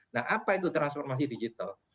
nah apa itu transformasi digital